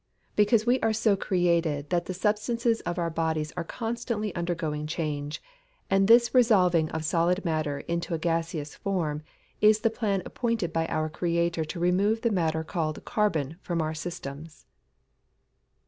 _ Because we are so created that the substances of our bodies are constantly undergoing change, and this resolving of solid matter into a gaseous form, is the plan appointed by our Creator to remove the matter called carbon from our systems.